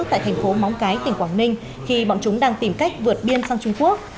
tại thành phố móng cái tỉnh quảng ninh khi bọn chúng đang tìm cách vượt biên sang trung quốc